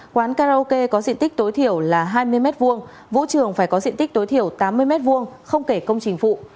quán karaoke có diện tích tối thiểu là hai mươi m hai vũ trường phải có diện tích tối thiểu tám mươi m hai không kể công trình phụ